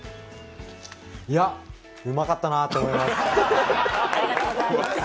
いや、うまかったなと思います。